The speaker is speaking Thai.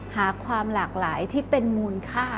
หาความหลากหลายที่เป็นมูลค่า